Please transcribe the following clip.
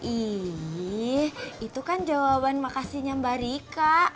ini itu kan jawaban makasihnya mbak rika